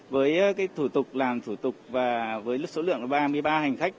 với cái thủ tục làm thủ tục và với lúc số lượng là ba mươi ba hành khách